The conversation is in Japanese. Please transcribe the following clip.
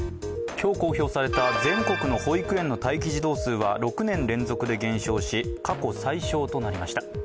今日公表された全国の保育園の待機児童数は６年連続で減少し、過去最少となりました。